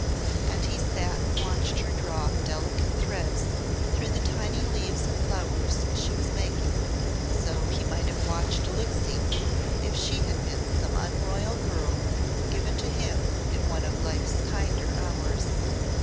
And he sat and watched her draw delicate threads through the tiny leaves and flowers she was making. So he might have watched Alixe if she had been some unroyal girl given to him in one of life's kinder hours.